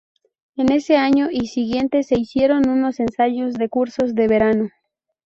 En ese año y siguiente se hicieron unos ensayos de cursos de verano.